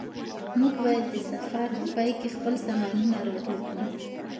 موږ باید د سفر په پای کې خپل سامانونه راټول کړو.